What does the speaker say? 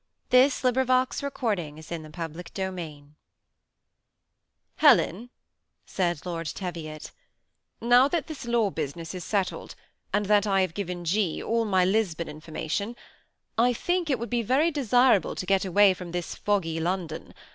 " THE SEMI ATTACHED COUPLE. 341 CHAPTER XLVIL " Helen," said Lord Teviot, " now that this law business is settled, and that I have given G. all my Lisbon information, I think it would be very desirable to get away from this foggy London.